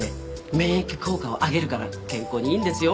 免疫効果を上げるから健康にいいんですよ